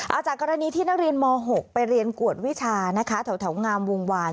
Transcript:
เอาจากกรณีที่นักเรียนม๖ไปเรียนกวดวิชานะคะแถวงามวงวาน